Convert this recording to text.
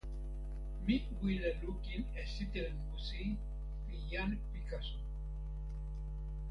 mi wile lukin e sitelen musi pi jan Pikaso.